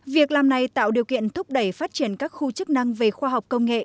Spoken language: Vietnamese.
việc làm này tạo điều kiện thúc đẩy phát triển các khu chức năng về khoa học công nghệ